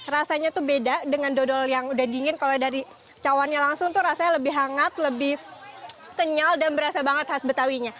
rasanya tuh beda dengan dodol yang udah dingin kalau dari cawannya langsung tuh rasanya lebih hangat lebih kenyal dan berasa banget khas betawinya